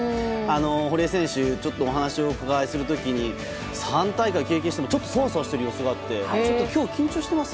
堀江選手にお話をお伺いする時に３大会経験しても、ちょっとそわそわしている様子があって今日、緊張してます？